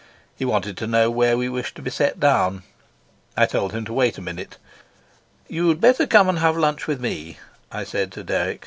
He wanted to know where we wished to be set down. I told him to wait a minute. "You'd better come and have lunch with me," I said to Dirk.